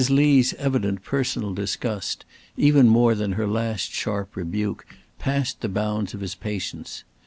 Lee's evident personal disgust, even more than her last sharp rebuke, passed the bounds of his patience.